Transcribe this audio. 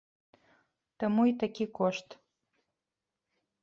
Таму і такі кошт.